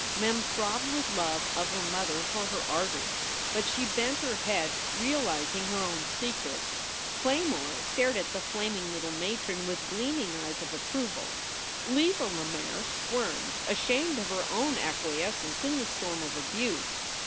Mem throbbed with love of her mother for her ardor, but she bent her head, realizing her own secret. Claymore stared at the flaming little matron with gleaming eyes of approval. Leva Lemaire squirmed, ashamed of her own acquiescence in the storm of abuse.